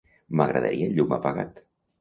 M'agradaria el llum apagat.